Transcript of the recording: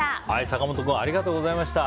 坂本君ありがとうございました。